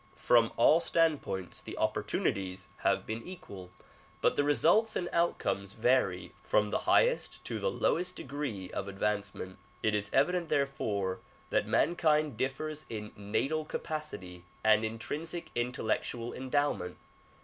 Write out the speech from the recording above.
From all standpoints the opportuni ties have been equal but the results and outcomes vary from the highest to lowest degree of advancement. It is evident therefore that mankind differs in natal capacity and intrinsic intellectual endowment.